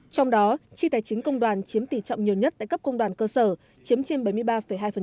trong đó chi tài chính công đoàn chiếm tỷ trọng nhiều nhất tại cấp công đoàn cơ sở chiếm trên bảy mươi ba hai